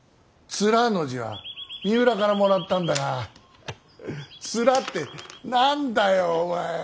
「連」の字は三浦からもらったんだが「連」って何だよお前。